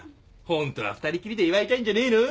ホントは２人っきりで祝いたいんじゃねえの？